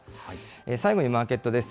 最後にマーケットです。